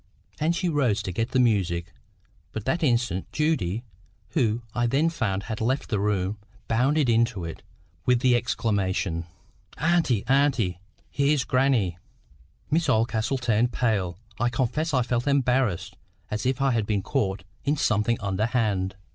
And she rose to get the music. But that instant Judy, who, I then found, had left the room, bounded into it, with the exclamation,— "Auntie, auntie! here's grannie!" Miss Oldcastle turned pale. I confess I felt embarrassed, as if I had been caught in something underhand.